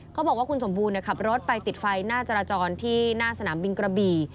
เขาบอกว่าคุณสมบูรณ์ขับรถไปติดไฟหน้าจราจรที่หน้าสนามบินกระบี่